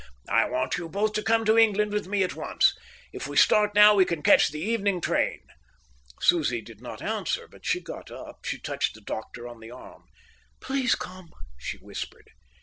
"I want you both to come to England with me at once. If we start now we can catch the evening train." Susie did not answer, but she got up. She touched the doctor on the arm. "Please come," she whispered.